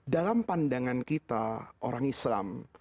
dalam pandangan kita orang islam